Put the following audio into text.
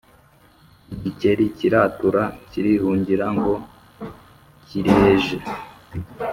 igikeri kiratura kirihungira ngo kiriheje,